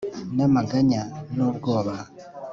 Namaganya nubwoba